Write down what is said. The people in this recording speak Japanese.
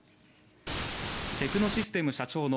テクノシステム社長の